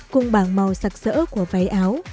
cùng bảng màu sặc sỡ của váy áo